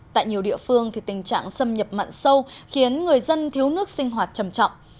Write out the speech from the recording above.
tại nhiều địa phương thì tình trạng xâm nhập mặn sâu khiến người dân thiếu nước sinh hoạt trầm trọng